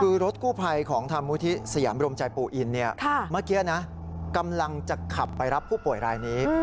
คือรถกู้ภัยของธรรมมุธิสยามรมใจปู่อินเนี่ยเมื่อกี้นะกำลังจะขับไปรับผู้ป่วยรายนี้